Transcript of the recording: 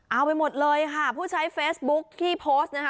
เอาไปหมดเลยค่ะผู้ใช้เฟซบุ๊คที่โพสต์นะคะ